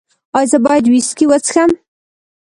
ایا زه باید ویسکي وڅښم؟